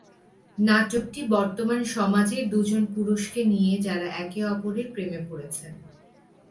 নাটকটি বর্তমান সমাজের দুজন পুরুষকে নিয়ে যারা একে অপরের প্রেমে পড়েছেন।